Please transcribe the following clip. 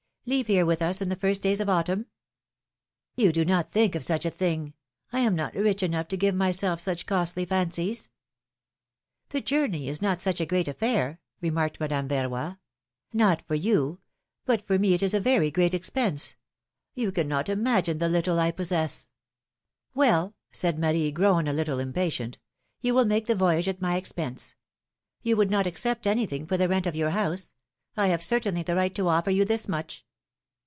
Leave here with us in the first days of autumn ''You do not think of such a thing! I am not rich enough to give myself such costly fancies !" Tiie journey is not such a great affair,'^ remarked Madame Verroy. "Not for you; but for me it is a very great expense. You cannot imagine the little I possess " Well,'^ said Marie, grown a little impatient, "you will make the voyage at my expense. You would not accept anything for the rent of your house. I have certainly the right to offer you this much.